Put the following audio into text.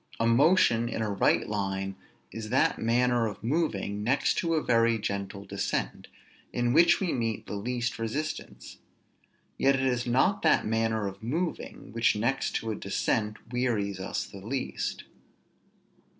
A motion in a right line is that manner of moving, next to a very gentle descent, in which we meet the least resistance; yet it is not that manner of moving, which next to a descent, wearies us the least.